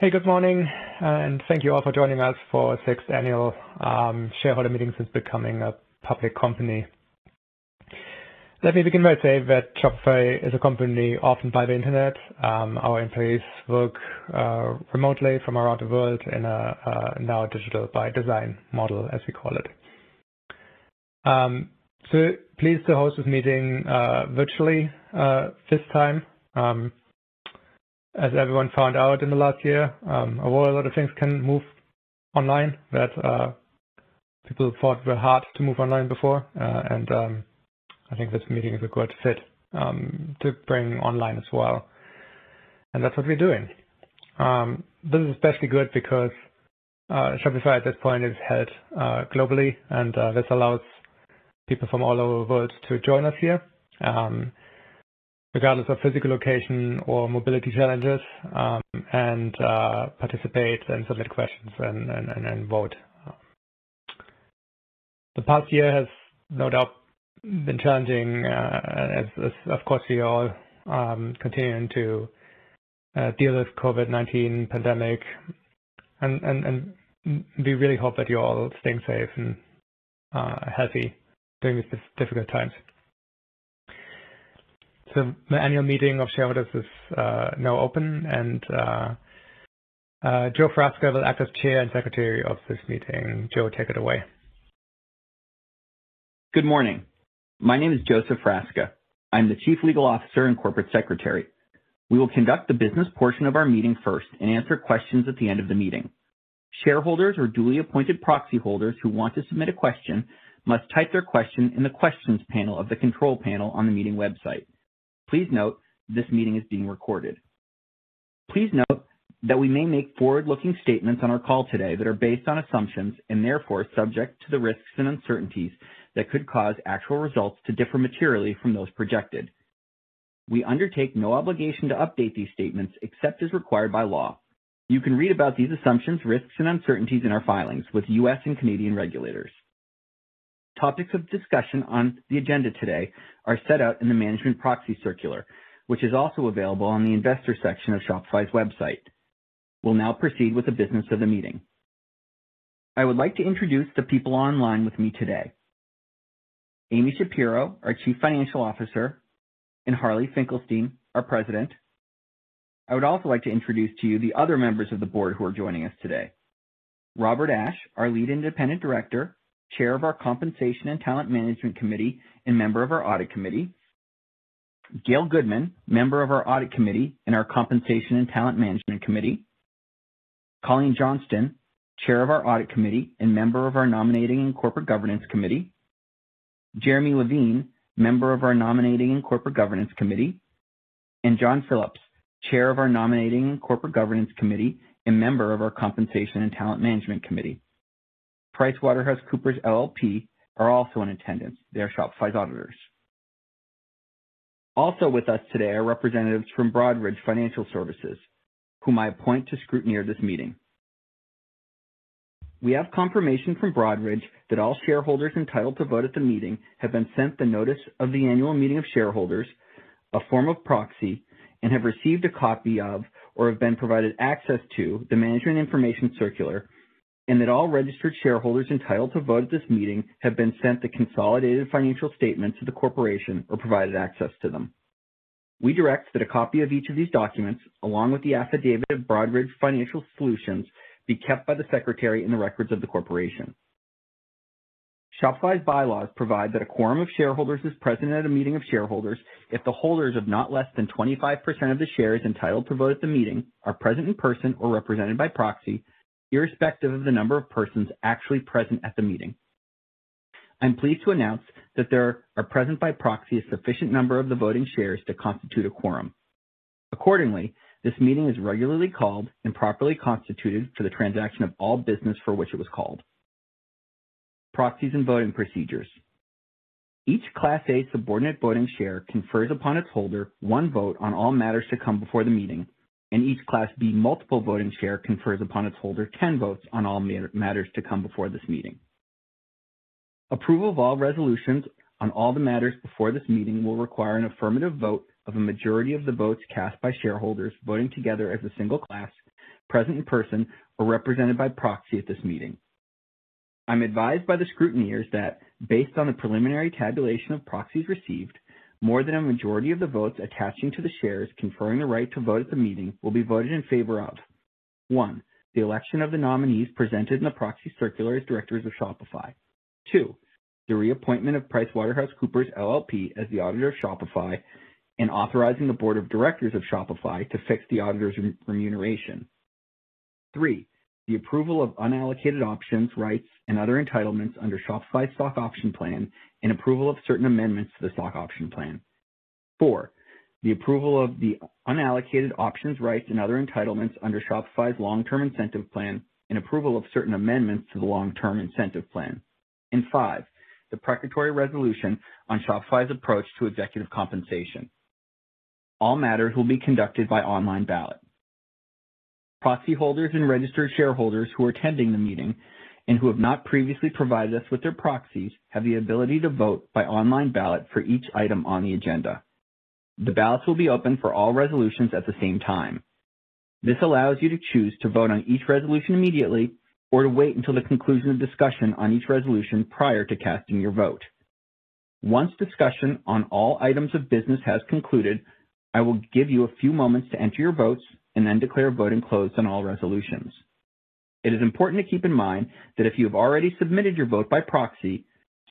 Hey, good morning, and thank you all for joining us for our sixth annual shareholder meeting since becoming a public company. Let me begin by saying that Shopify is a company of and by the internet. Our employees work remotely from around the world in our Digital by Design model, as we call it. Pleased to host this meeting virtually this time. As everyone found out in the last year, a whole lot of things can move online that people thought were hard to move online before, and I think this meeting is a good fit to bring online as well. That's what we're doing. This is especially good because Shopify, at this point, is held globally, and this allows people from all over the world to join us here, regardless of physical location or mobility challenges, and participate and submit questions and vote. The past year has no doubt been challenging, as, of course, we all continuing to deal with COVID-19 pandemic, and we really hope that you're all staying safe and healthy during these difficult times. The annual meeting of shareholders is now open, and Joe Frasca will act as chair and secretary of this meeting. Joe, take it away. Good morning. My name is Joseph Frasca. I'm the Chief Legal Officer and Corporate Secretary. We will conduct the business portion of our meeting first and answer questions at the end of the meeting. Shareholders or duly appointed proxy holders who want to submit a question must type their question in the questions panel of the control panel on the meeting website. Please note this meeting is being recorded. Please note that we may make forward-looking statements on our call today that are based on assumptions and therefore subject to the risks and uncertainties that could cause actual results to differ materially from those projected. We undertake no obligation to update these statements except as required by law. You can read about these assumptions, risks, and uncertainties in our filings with U.S. and Canadian regulators. Topics of discussion on the agenda today are set out in the Management Information Circular, which is also available on the investor section of Shopify's website. We'll now proceed with the business of the meeting. I would like to introduce the people online with me today. Amy Shapero, our Chief Financial Officer, and Harley Finkelstein, our President. I would also like to introduce to you the other members of the board who are joining us today. Robert Ashe, our Lead Independent Director, chair of our Compensation and Talent Management Committee, and member of our Audit Committee. Gail Goodman, member of our Audit Committee and our Compensation and Talent Management Committee. Colleen Johnston, chair of our Audit Committee and member of our Nominating and Corporate Governance Committee. Jeremy Levine, member of our Nominating and Corporate Governance Committee, and John Phillips, chair of our Nominating and Corporate Governance Committee and member of our Compensation and Talent Management Committee. PricewaterhouseCoopers LLP are also in attendance. They are Shopify auditors. Also with us today are representatives from Broadridge Financial Solutions, whom I appoint to scrutineer this meeting. We have confirmation from Broadridge that all shareholders entitled to vote at the meeting have been sent the notice of the annual meeting of shareholders, a form of proxy, and have received a copy of or have been provided access to the Management Information Circular, and that all registered shareholders entitled to vote at this meeting have been sent the consolidated financial statement to the corporation or provided access to them. We direct that a copy of each of these documents, along with the affidavit of Broadridge Financial Solutions, be kept by the secretary in the records of the corporation. Shopify's bylaws provide that a quorum of shareholders is present at a meeting of shareholders if the holders of not less than 25% of the shares entitled to vote at the meeting are present in person or represented by proxy, irrespective of the number of persons actually present at the meeting. I'm pleased to announce that there are present by proxy a sufficient number of the voting shares that constitute a quorum. Accordingly, this meeting is regularly called and properly constituted for the transaction of all business for which it was called. Proxies and voting procedures. Each Class A subordinate voting share confers upon its holder one vote on all matters to come before the meeting, and each Class B multiple voting share confers upon its holder 10 votes on all matters to come before this meeting. Approval of all resolutions on all the matters before this meeting will require an affirmative vote of a majority of the votes cast by shareholders voting together as a single class, present in person, or represented by proxy at this meeting. I'm advised by the scrutineers that based on a preliminary tabulation of proxies received, more than a majority of the votes attaching to the shares conferring the right to vote at the meeting will be voted in favor of, one, the election of the nominees presented in the proxy circular as directors of Shopify. Two, the reappointment of PricewaterhouseCoopers LLP as the auditor of Shopify and authorizing the board of directors of Shopify to fix the auditor's remuneration. Three, the approval of unallocated options, rights, and other entitlements under Shopify Stock Option Plan and approval of certain amendments to the Stock Option Plan. Four, the approval of the unallocated options, rights, and other entitlements under Shopify's Long-Term Incentive Plan and approval of certain amendments to the Long-Term Incentive Plan. Five, the precatory resolution on Shopify's approach to executive compensation. All matters will be conducted by online ballot. Proxy holders and registered shareholders who are attending the meeting and who have not previously provided us with their proxy have the ability to vote by online ballot for each item on the agenda. The ballots will be open for all resolutions at the same time. This allows you to choose to vote on each resolution immediately or to wait until the conclusion of discussion on each resolution prior to casting your vote. Once discussion on all items of business has concluded, I will give you a few moments to enter your votes and then declare voting closed on all resolutions. It is important to keep in mind that if you have already submitted your vote by proxy,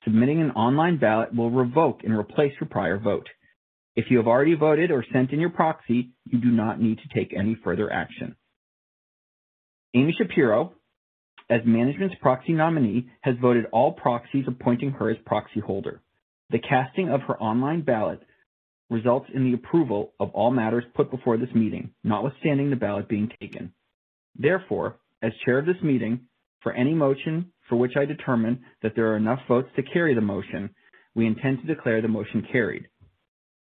submitting an online ballot will revoke and replace your prior vote. If you have already voted or sent in your proxy, you do not need to take any further action. Amy Shapero, as management's proxy nominee, has voted all proxies appointing her as proxy holder. The casting of her online ballot results in the approval of all matters put before this meeting, notwithstanding the ballot being taken. Therefore, as chair of this meeting, for any motion for which I determine that there are enough votes to carry the motion, we intend to declare the motion carried.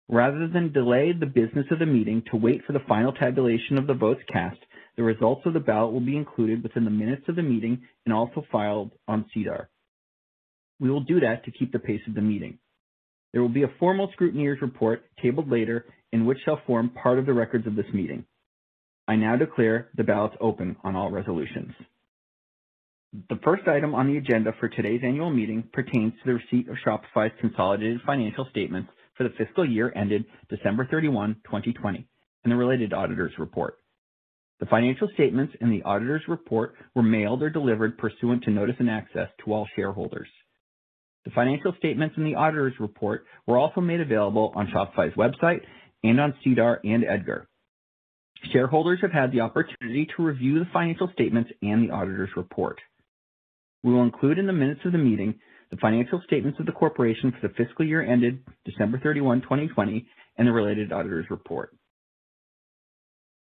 Rather than delay the business of the meeting to wait for the final tabulation of the votes cast, the results of the ballot will be included within the minutes of the meeting and also filed on SEDAR. We will do that to keep the pace of the meeting. There will be a formal scrutineer's report tabled later in which shall form part of the records of this meeting. I now declare the ballots open on all resolutions. The first item on the agenda for today's annual meeting pertains to the receipt of Shopify's consolidated financial statements for the fiscal year ended December 31, 2020, and the related auditor's report. The financial statements and the auditor's report were mailed or delivered pursuant to notice and access to all shareholders. The financial statements and the auditor's report were also made available on Shopify's website and on SEDAR and EDGAR. Shareholders have had the opportunity to review the financial statements and the auditor's report. We will include in the minutes of the meeting the financial statements of the corporation for the fiscal year ended December 31, 2020, and the related auditor's report.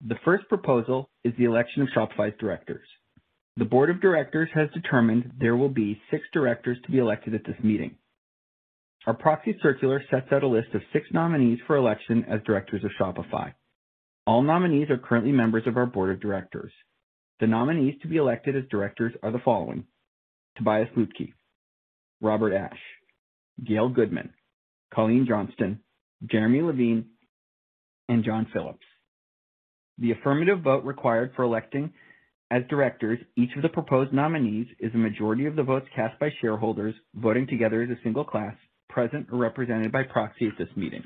The first proposal is the election of Shopify's directors. The board of directors has determined there will be six directors to be elected at this meeting. Our proxy circular sets out a list of six nominees for election as directors of Shopify. All nominees are currently members of our board of directors. The nominees to be elected as directors are the following: Tobias Lütke, Robert Ashe, Gail Goodman, Colleen Johnston, Jeremy Levine, and John Phillips. The affirmative vote required for electing as directors each of the proposed nominees is a majority of the votes cast by shareholders voting together as a single class, present or represented by proxy at this meeting.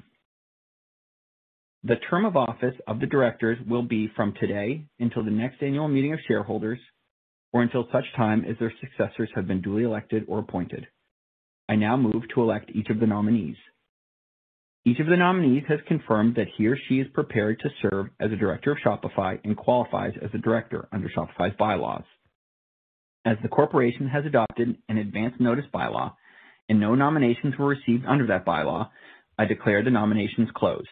The term of office of the directors will be from today until the next annual meeting of shareholders or until such time as their successors have been duly elected or appointed. I now move to elect each of the nominees. Each of the nominees has confirmed that he or she is prepared to serve as a director of Shopify and qualifies as a director under Shopify's bylaws. As the corporation has adopted an advance notice bylaw, and no nominations were received under that bylaw, I declare the nominations closed.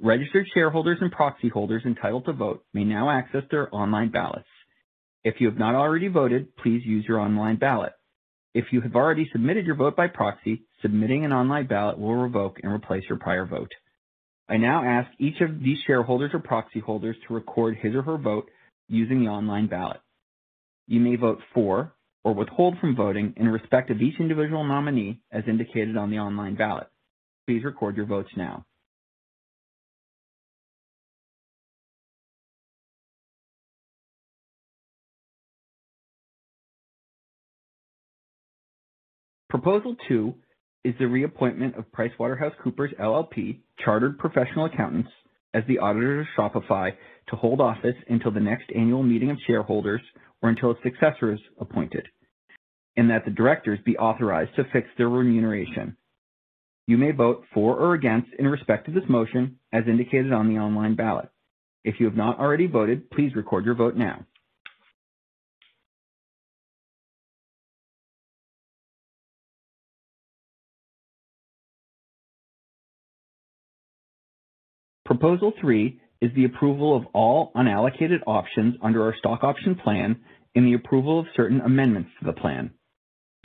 Registered shareholders and proxy holders entitled to vote may now access their online ballots. If you have not already voted, please use your online ballot. If you have already submitted your vote by proxy, submitting an online ballot will revoke and replace your prior vote. I now ask each of these shareholders or proxy holders to record his or her vote using the online ballot. You may vote for or withhold from voting in respect of each individual nominee as indicated on the online ballot. Please record your votes now. Proposal 2 is the reappointment of PricewaterhouseCoopers LLP, Chartered Professional Accountants as the auditor of Shopify to hold office until the next annual meeting of shareholders or until successors appointed, and that the directors be authorized to fix their remuneration. You may vote for or against in respect of this motion as indicated on the online ballot. If you have not already voted, please record your vote now. Proposal 3 is the approval of all unallocated options under our Shopify Stock Option Plan and the approval of certain amendments to the plan.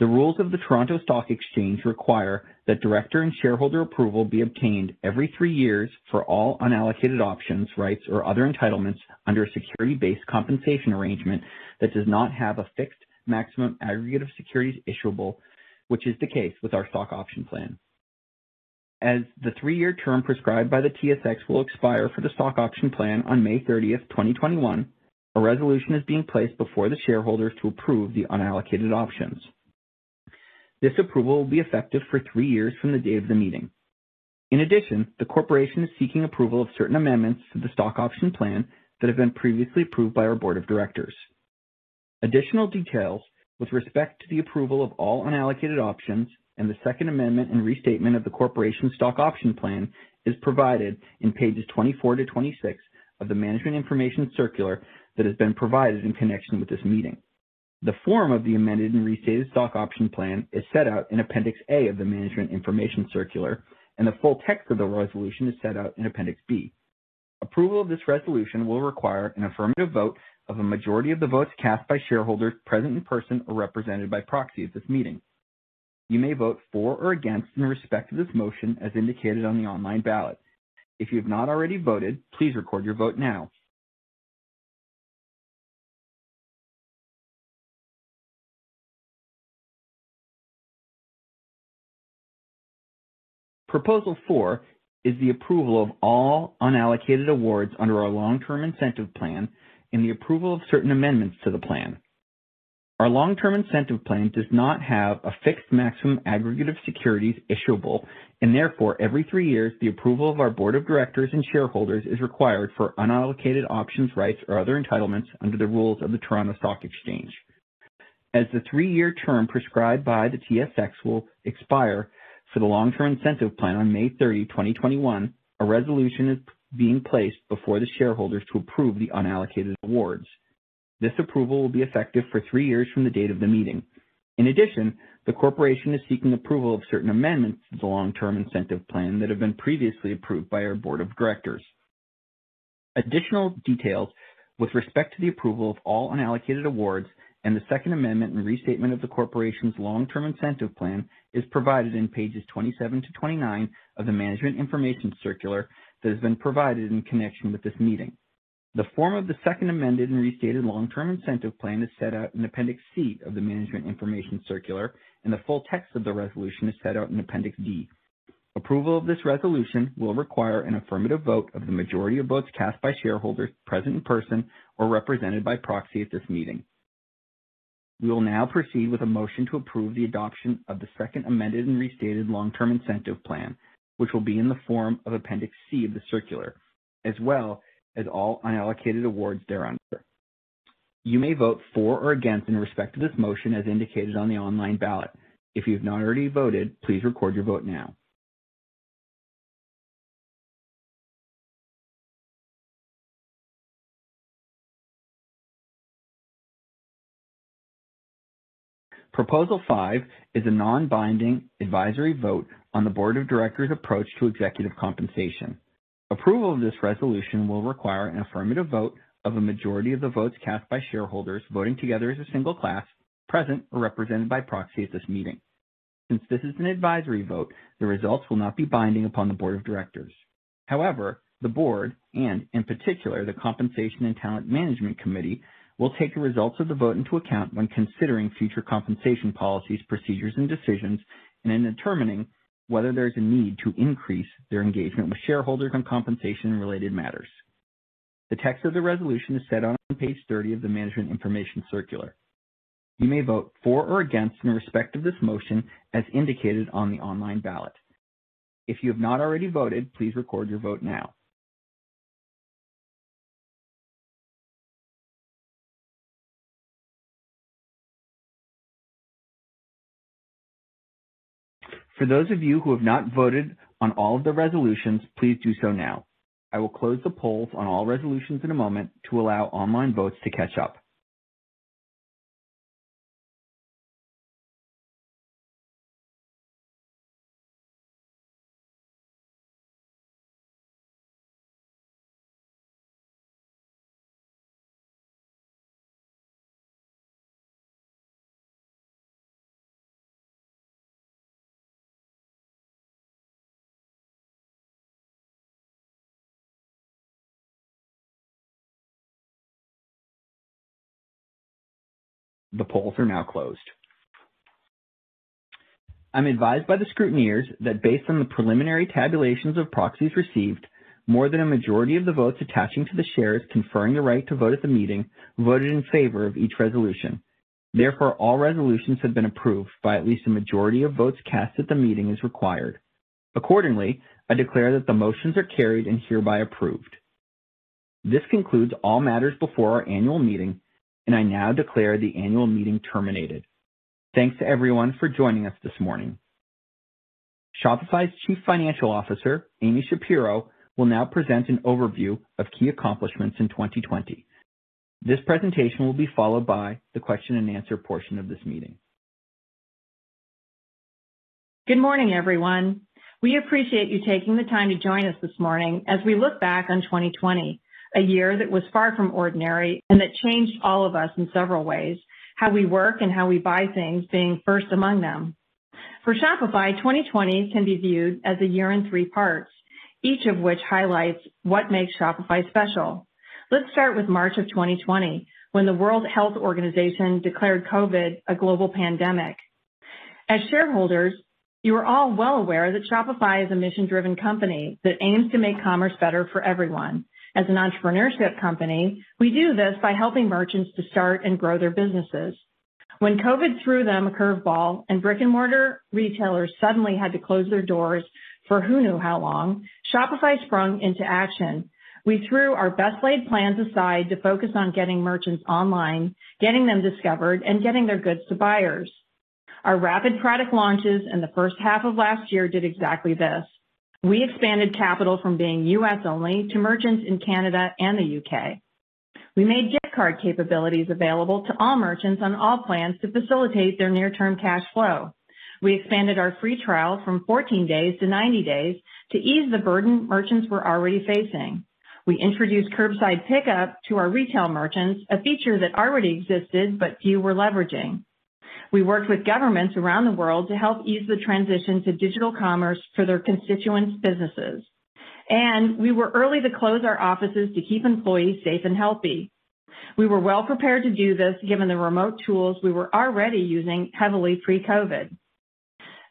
The rules of the Toronto Stock Exchange require that director and shareholder approval be obtained every three years for all unallocated options, rights, or other entitlements under a security-based compensation arrangement that does not have a fixed maximum aggregate of securities issuable, which is the case with our Shopify Stock Option Plan. As the three-year term prescribed by the TSX will expire for the Shopify Stock Option Plan on May 30th, 2021, a resolution is being placed before the shareholders to approve the unallocated options. This approval will be effective for three years from the day of the meeting. In addition, the corporation is seeking approval of certain amendments to the Shopify Stock Option Plan that have been previously approved by our Board of Directors. Additional details with respect to the approval of all unallocated options and the second amendment and restatement of the corporation Shopify Stock Option Plan is provided on pages 24 to 26 of the Management Information Circular that has been provided in connection with this meeting. The form of the amended and restated Shopify Stock Option Plan is set out in Appendix A of the Management Information Circular, and the full text of the resolution is set out in Appendix B. Approval of this resolution will require an affirmative vote of a majority of the votes cast by shareholders present in person or represented by proxy at this meeting. You may vote for or against in respect of this motion as indicated on the online ballot. If you have not already voted, please record your vote now. Proposal 4 is the approval of all unallocated awards under our Long Term Incentive Plan and the approval of certain amendments to the plan. Our Long Term Incentive Plan does not have a fixed maximum aggregate of securities issuable and therefore every three years, the approval of our Board of Directors and shareholders is required for unallocated options, rights or other entitlements under the rules of the Toronto Stock Exchange. The three-year term prescribed by the TSX rules expire for the Long Term Incentive Plan on May 30th, 2021, a resolution is being placed before the shareholders to approve the unallocated awards. This approval will be effective for three years from the date of the meeting. In addition, the corporation is seeking approval of certain amendments to the Long Term Incentive Plan that have been previously approved by our Board of Directors. Additional details with respect to the approval of all unallocated awards and the second amendment and restatement of the corporation's Long Term Incentive Plan is provided in pages 27 to 29 of the Management Information Circular that has been provided in connection with this meeting. The form of the second amended and restated Long Term Incentive Plan is set out in Appendix C of the Management Information Circular, and the full text of the resolution is set out in Appendix D. Approval of this resolution will require an affirmative vote of the majority of votes cast by shareholders present in person or represented by proxy at this meeting. We will now proceed with a motion to approve the adoption of the second amended and restated Long Term Incentive Plan, which will be in the form of Appendix C of the circular, as well as all unallocated awards thereon. You may vote for or against in respect of this motion as indicated on the online ballot. If you have not already voted, please record your vote now. Proposal five is a non-binding advisory vote on the Board of Directors' approach to executive compensation. Approval of this resolution will require an affirmative vote of a majority of the votes cast by shareholders voting together as a single class, present or represented by proxy at this meeting. Since this is an advisory vote, the results will not be binding upon the Board of Directors. However, the Board, and in particular, the Compensation and Talent Management Committee, will take the results of the vote into account when considering future compensation policies, procedures, and decisions, and in determining whether there is a need to increase their engagement with shareholders on compensation and related matters. The text of the resolution is set out on page 30 of the Management Information Circular. You may vote for or against in respect of this motion as indicated on the online ballot. If you have not already voted, please record your vote now. For those of you who have not voted on all of the resolutions, please do so now. I will close the polls on all resolutions in a moment to allow online votes to catch up. The polls are now closed. I'm advised by the scrutineers that based on the preliminary tabulations of proxies received, more than a majority of the votes attaching to the shares conferring a right to vote at the meeting voted in favor of each resolution. Therefore, all resolutions have been approved by at least a majority of votes cast at the meeting as required. Accordingly, I declare that the motions are carried and hereby approved. This concludes all matters before our annual meeting, and I now declare the annual meeting terminated. Thanks to everyone for joining us this morning. Shopify's Chief Financial Officer, Amy Shapero, will now present an overview of key accomplishments in 2020. This presentation will be followed by the question and answer portion of this meeting. Good morning, everyone. We appreciate you taking the time to join us this morning as we look back on 2020, a year that was far from ordinary and that changed all of us in several ways, how we work and how we buy things being first among them. For Shopify, 2020 can be viewed as a year in three parts, each of which highlights what makes Shopify special. Let's start with March of 2020, when the World Health Organization declared COVID a global pandemic. As shareholders, you are all well aware that Shopify is a mission-driven company that aims to make commerce better for everyone. As an entrepreneurship company, we do this by helping merchants to start and grow their businesses. When COVID threw them a curveball and brick and mortar retailers suddenly had to close their doors for who knew how long, Shopify sprung into action. We threw our best-laid plans aside to focus on getting merchants online, getting them discovered, and getting their goods to buyers. Our rapid product launches in the first half of last year did exactly this. We expanded Shopify Capital from being U.S. only to merchants in Canada and the U.K. We made gift card capabilities available to all merchants on all plans to facilitate their near-term cash flow. We expanded our free trial from 14 days to 90 days to ease the burden merchants were already facing. We introduced curbside pickup to our retail merchants, a feature that already existed but few were leveraging. We worked with governments around the world to help ease the transition to digital commerce for their constituents' businesses, and we were early to close our offices to keep employees safe and healthy. We were well-prepared to do this given the remote tools we were already using heavily pre-COVID.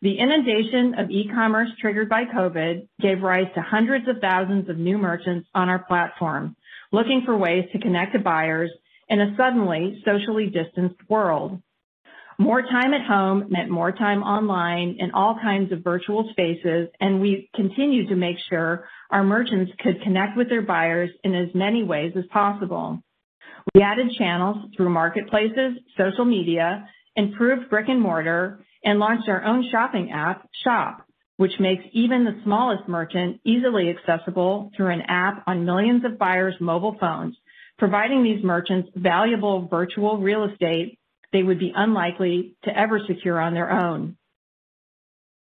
The innovation of e-commerce triggered by COVID gave rise to hundreds of thousands of new merchants on our platform, looking for ways to connect to buyers in a suddenly socially distanced world. More time at home meant more time online in all kinds of virtual spaces, and we continued to make sure our merchants could connect with their buyers in as many ways as possible. We added channels through marketplaces, social media, improved brick and mortar, and launched our own shopping app, Shop, which makes even the smallest merchant easily accessible through an app on millions of buyers' mobile phones, providing these merchants valuable virtual real estate they would be unlikely to ever secure on their own.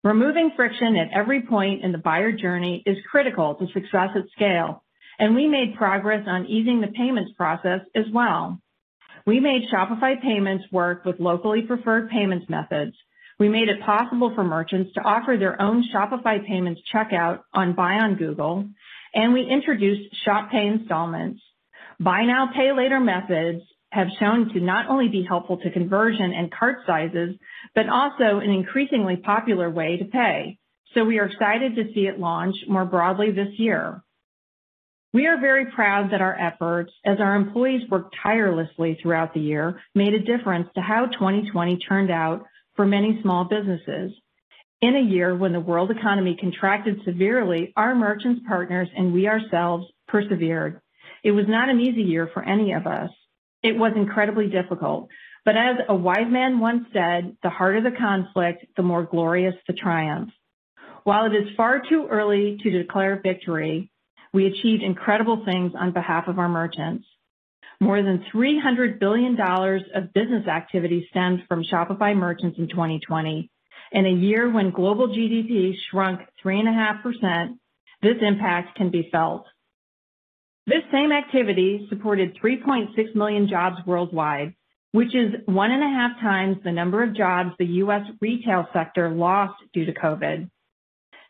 Removing friction at every point in the buyer journey is critical to success at scale, and we made progress on easing the payments process as well. We made Shopify Payments work with locally preferred payments methods. We made it possible for merchants to offer their own Shopify Payments checkout on Buy on Google, and we introduced Shop Pay Installments. Buy now, pay later methods have shown to not only be helpful to conversion and cart sizes, but also an increasingly popular way to pay. We are excited to see it launch more broadly this year. We are very proud that our efforts, as our employees worked tirelessly throughout the year, made a difference to how 2020 turned out for many small businesses. In a year when the world economy contracted severely, our merchant partners and we ourselves persevered. It was not an easy year for any of us. It was incredibly difficult. As a wise man once said, "The harder the conflict, the more glorious the triumph." While it is far too early to declare victory, we achieved incredible things on behalf of our merchants. More than $300 billion of business activity stemmed from Shopify merchants in 2020. In a year when global GDP shrunk 3.5%, this impact can be felt. This same activity supported 3.6 million jobs worldwide, which is 1.5x the number of jobs the U.S. retail sector lost due to COVID.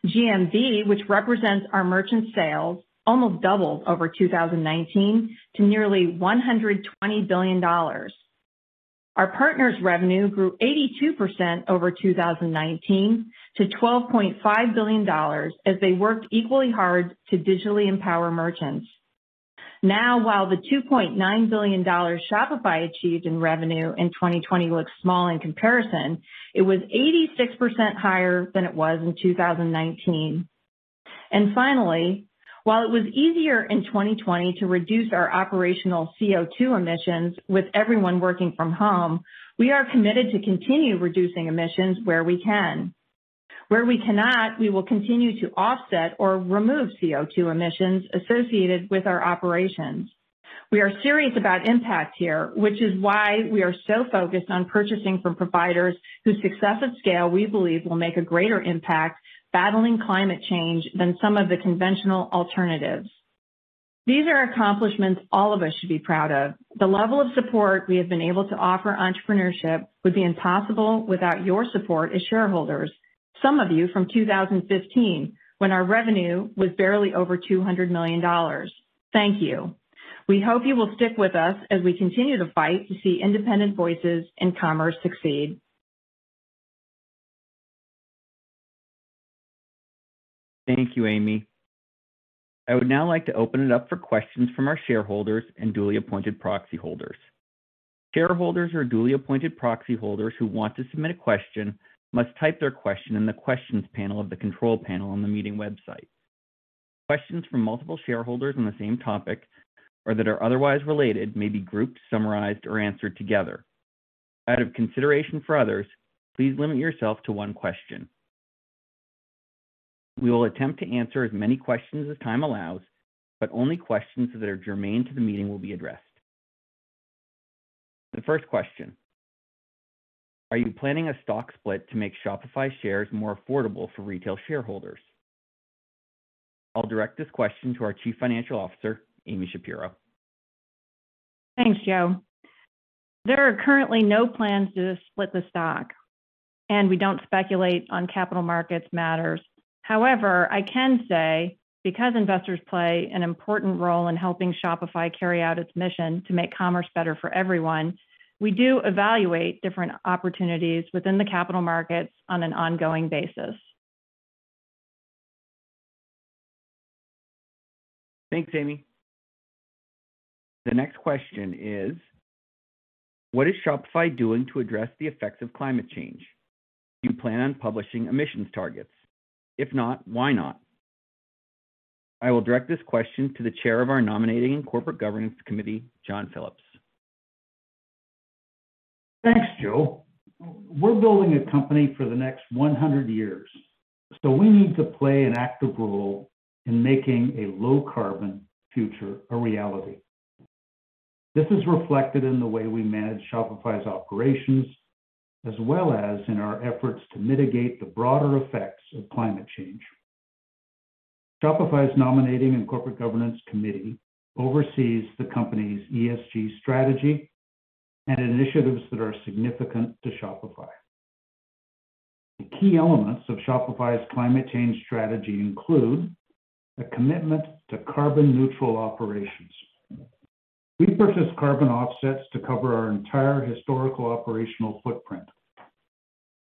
GMV, which represents our merchant sales, almost doubled over 2019 to nearly $120 billion. Our partners' revenue grew 82% over 2019 to $12.5 billion as they worked equally hard to digitally empower merchants. While the $2.9 billion Shopify achieved in revenue in 2020 looks small in comparison, it was 86% higher than it was in 2019. Finally, while it was easier in 2020 to reduce our operational CO2 emissions with everyone working from home, we are committed to continue reducing emissions where we can. Where we cannot, we will continue to offset or remove CO2 emissions associated with our operations. We are serious about impact here, which is why we are so focused on purchasing from providers whose success at scale we believe will make a greater impact battling climate change than some of the conventional alternatives. These are accomplishments all of us should be proud of. The level of support we have been able to offer entrepreneurship would be impossible without your support as shareholders, some of you from 2015, when our revenue was barely over $200 million. Thank you. We hope you will stick with us as we continue to fight to see independent voices in commerce succeed. Thank you, Amy. I would now like to open it up for questions from our shareholders and duly appointed proxy holders. Shareholders or duly appointed proxy holders who want to submit a question must type their question in the questions panel of the control panel on the meeting website. Questions from multiple shareholders on the same topic or that are otherwise related may be grouped, summarized, or answered together. Out of consideration for others, please limit yourself to one question. We will attempt to answer as many questions as time allows, but only questions that are germane to the meeting will be addressed. The first question: Are you planning a stock split to make Shopify shares more affordable for retail shareholders? I'll direct this question to our Chief Financial Officer, Amy Shapero. Thanks, Joe. There are currently no plans to split the stock. We don't speculate on capital markets matters. I can say because investors play an important role in helping Shopify carry out its mission to make commerce better for everyone, we do evaluate different opportunities within the capital markets on an ongoing basis. Thanks, Amy. The next question is: What is Shopify doing to address the effects of climate change? Do you plan on publishing emissions targets? If not, why not? I will direct this question to the chair of our Nominating and Corporate Governance Committee, John Phillips. Thanks, Joe. We're building a company for the next 100 years, so we need to play an active role in making a low-carbon future a reality. This is reflected in the way we manage Shopify's operations, as well as in our efforts to mitigate the broader effects of climate change. Shopify's Nominating and Corporate Governance Committee oversees the company's ESG strategy and initiatives that are significant to Shopify. The key elements of Shopify's climate change strategy include a commitment to carbon-neutral operations. We purchase carbon offsets to cover our entire historical operational footprint.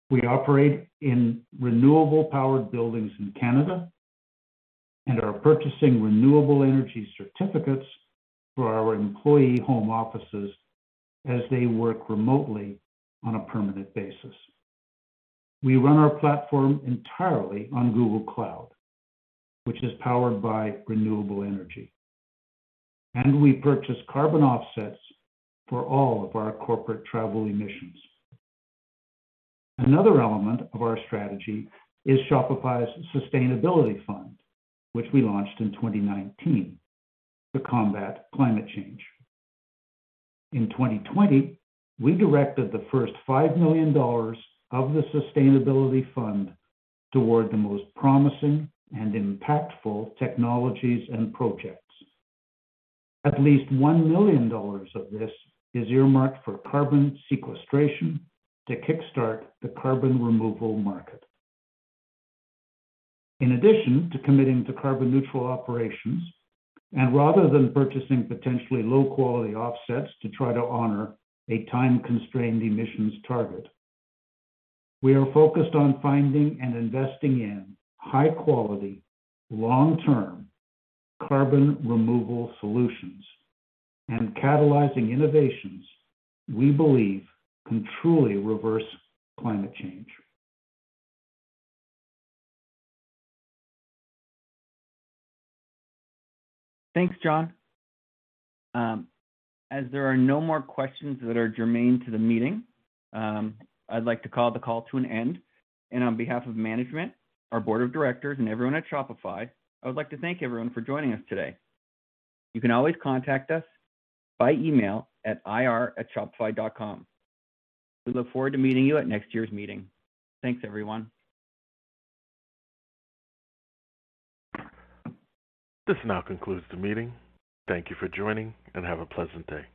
We operate in renewable-powered buildings in Canada and are purchasing renewable energy certificates for our employee home offices as they work remotely on a permanent basis. We run our platform entirely on Google Cloud, which is powered by renewable energy, and we purchase carbon offsets for all of our corporate travel emissions. Another element of our strategy is Shopify's Sustainability Fund, which we launched in 2019 to combat climate change. In 2020, we directed the first $5 million of the Sustainability Fund toward the most promising and impactful technologies and projects. At least $1 million of this is earmarked for carbon sequestration to kickstart the carbon removal market. Rather than purchasing potentially low-quality offsets to try to honor a time-constrained emissions target, we are focused on finding and investing in high-quality, long-term carbon removal solutions and catalyzing innovations we believe can truly reverse climate change. Thanks, John. As there are no more questions that are germane to the meeting, I'd like to call the call to an end. On behalf of management, our Board of Directors, and everyone at Shopify, I would like to thank everyone for joining us today. You can always contact us by email at ir@shopify.com. We look forward to meeting you at next year's meeting. Thanks, everyone. This now concludes the meeting. Thank you for joining, and have a pleasant day.